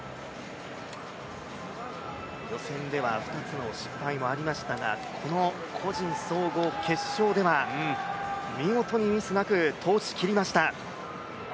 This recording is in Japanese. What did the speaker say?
予選では２つの失敗もありましたが、この個人総合決勝では見事にミスなく、通しきりました。